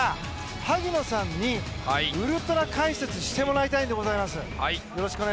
萩野さんにウルトラ解説してもらいたいんでございます。